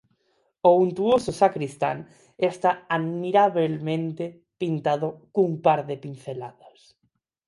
O untuoso sancristán está admirabelmente pintado cun par de pinceladas.